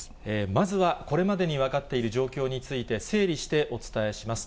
まずはこれまでに分かっている状況について、整理してお伝えします。